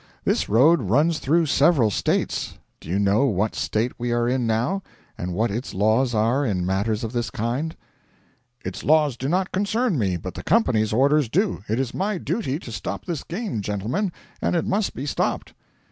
This road runs through several States. Do you know what State we are in now, and what its laws are in matters of this kind?' 'Its laws do not concern me, but the company's orders do. It is my duty to stop this game, gentlemen, and it must be stopped.'